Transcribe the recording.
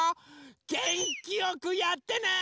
げんきよくやってね！